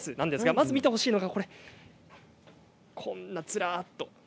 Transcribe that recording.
まず見てほしいのがこれです。ずらっと。